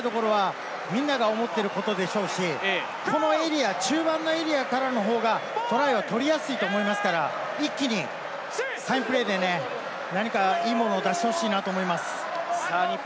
ただ前半で少しでも点差を縮めておく、そういったところは、みんなが思っていることでしょうし、このエリア、中盤のエリアからの方がトライは取りやすいと思いますから一気に何かいいものを出してほしいなと思います。